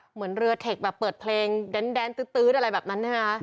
เหมือนเรือเทคแบบเปิดเพลงแดนตื๊ดอะไรแบบนั้นใช่ไหมคะ